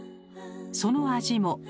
その味も。